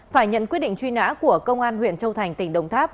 phải nhận quyết định truy nã của công an huyện châu thành tỉnh đồng tháp